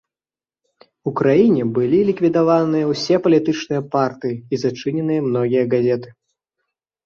У краіне былі ліквідаваныя ўсе палітычныя партыі і зачыненыя многія газеты.